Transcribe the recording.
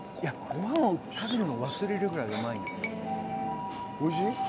ご飯を食べるのを忘れるぐらい、うまいんですよ。